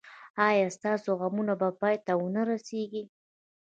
ایا ستاسو غمونه به پای ته و نه رسیږي؟